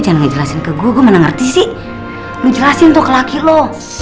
jangan ngejelasin ke gua gua mana ngerti sih lu jelasin tuh ke laki lo